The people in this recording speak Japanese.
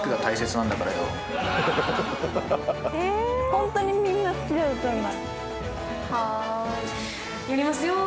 ホントにみんな好きだったんだ。